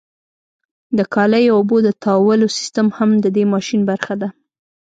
د کالیو او اوبو د تاوولو سیستم هم د دې ماشین برخه ده.